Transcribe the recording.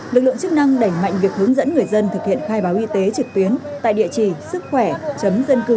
lực lượng chức năng đẩy mạnh việc hướng dẫn người dân thực hiện khai báo y tế trực tuyến tại địa chỉ sứckhoẻ dâncưquốcgia gov vn